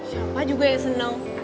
siapa juga yang seneng